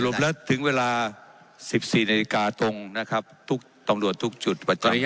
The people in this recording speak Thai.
สรุปแล้วถึงเวลา๑๔นาฬิกาตรงนะครับต้องรวดทุกจุด